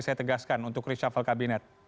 saya tegaskan untuk reshuffle kabinet